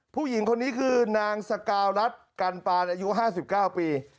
ผู้หญิงคนนี้คือนางสกาวรัฐกันปานอายุ๕๙ปี